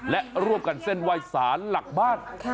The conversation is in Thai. และรวบกันเส้นวายสารหลักบ้าน